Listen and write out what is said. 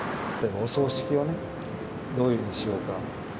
お葬式をね、どういうふうにしようか。